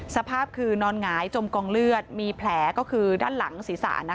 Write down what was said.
สภาพคือนอนหงายจมกองเลือดมีแผลก็คือด้านหลังศีรษะ